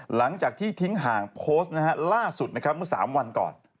หลังจากที่ทิ้งห่างโพสต์นะฮะล่าสุดนะครับเมื่อ๓วันก่อน